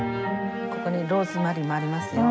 ここにローズマリーもありますよ。